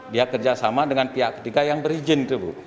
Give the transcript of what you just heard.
dia kerjasama dengan pihak ketiga yang berizin